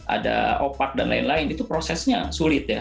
ada opak dan lain lain itu prosesnya sulit ya